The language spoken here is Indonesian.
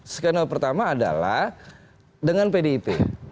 skenario pertama adalah dengan pdip